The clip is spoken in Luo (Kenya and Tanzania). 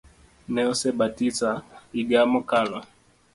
Ne osebatisa iga mokalo